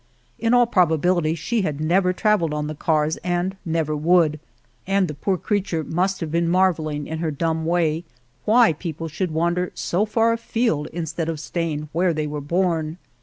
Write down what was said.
In all prob On the Road to Argamasilla ability she had never travelled on the cars and never would, and the poor creature must have been marvelling in her dumb way why people should wander so far afield instead of staying where they were born.